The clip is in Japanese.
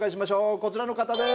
こちらの方です。